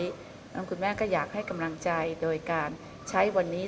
แล้วคุณแม่ก็อยากให้กำลังใจโดยการใช้วันนี้